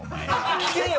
聞けよ！